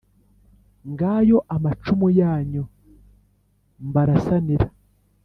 ngayo amacumu yanyu mbarasanira